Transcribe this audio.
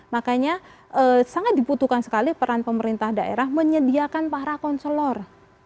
makanya sangat dibutuhkan sekali peran pemerintah daerah menyediakan para konselor